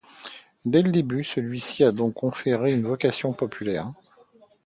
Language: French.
Dès le début, celui-ci lui a donc conféré une vocation populaire.